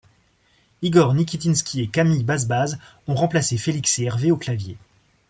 Igor Nikitinsky et Camille Bazbaz ont remplacé Félix et Hervé aux claviers.